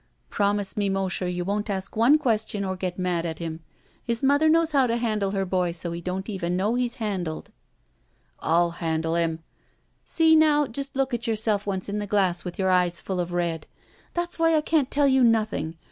Promise me, Mosher, you won't ask one question or get mad at him. His mother knows how to handle her boy so he don't even know he's handled." ••I'U handle him—" "See now, just look at yourself once in the glass with your eyes full of red. That's why I can't tell you nothing.